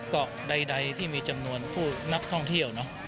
เกาะใดที่มีจำนวนผู้นักท่องเที่ยวเนอะ